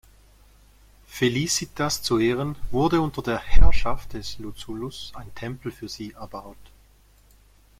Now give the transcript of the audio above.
Felicitas zu Ehren wurde unter der Herrschaft des Lucullus ein Tempel für sie erbaut.